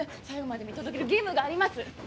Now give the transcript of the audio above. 最後まで見届ける義務があります。